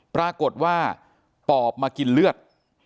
ปรากฏว่าปอบมากินเลือด